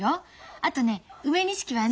あとね梅錦はね。